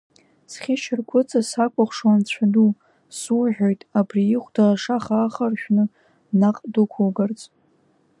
Зхьышьаргәыҵа сакәыхшоу Анцәа ду, суҳәоит абри ихәда ашаха ахаршәны, наҟ дықәугарц…